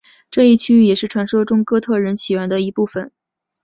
这一区域也是传说中哥特人起源的一部分。